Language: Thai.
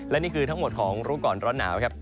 และนี่คือทั้งหมดของรู้ก่อนร้อนหนาวครับ